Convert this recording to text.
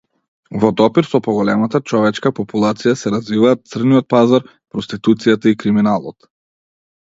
Во допир со поголемата човечка популација се развиваат црниот пазар, проституцијата и криминалот.